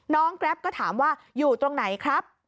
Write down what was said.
แกรปก็ถามว่าอยู่ตรงไหนครับ